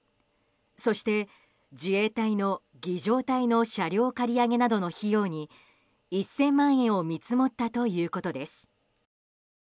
そして、自衛隊の儀仗隊の車両借り上げなどの費用に１０００万円を見積もったということです。